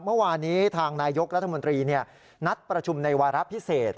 เมื่อวานนี้ทางนายกรัฐมนตรีนัดประชุมในวาระพิเศษ